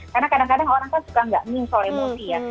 karena kadang kadang orang kan suka nggak mie soal emosi ya